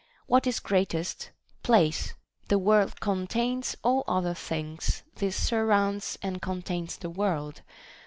What is greatest? Place ; the world contains all other things, this surrounds and con tains the world.